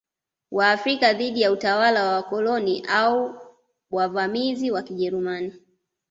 Waafrika dhidi ya utawala wa wakoloni au wavamizi wa Kijerumani